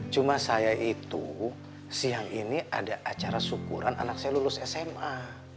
cuma saya itu siang ini ada acara syukuran anak saya lulus sma